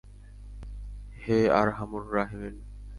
হে আরহামুর রাহেমীন!